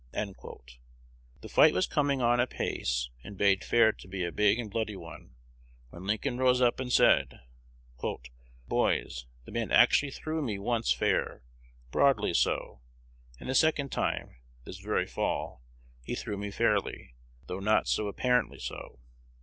The fight was coming on apace, and bade fair to be a big and bloody one, when Lincoln rose up and said, "Boys, the man actually threw me once fair, broadly so; and the second time, this very fall, he threw me fairly, though not so apparently so."